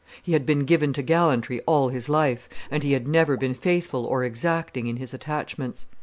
He had been given to gallantry all his life; and he had never been faithful or exacting in his attachments.